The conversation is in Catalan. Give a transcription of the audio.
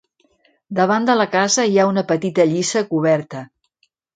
Davant de la casa hi ha una petita lliça coberta.